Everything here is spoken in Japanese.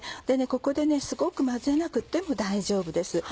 ここですごく混ぜなくても大丈夫です。